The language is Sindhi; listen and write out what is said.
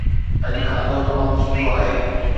اڄ کاڌو تمام سٺو آهي